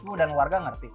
bu dan warga ngerti